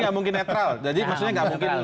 tidak mungkin netral jadi maksudnya nggak mungkin